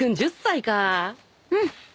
うん。